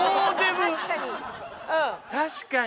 確かに。